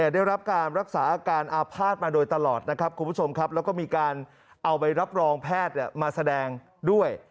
ได้รับรักษาอาการอาภาษณ์มาโดยตลอดและก็มีการเอาไปรับรองแพทย์มาแสดงด้วย